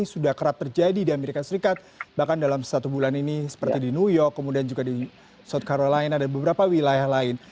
south carolina dan beberapa wilayah lain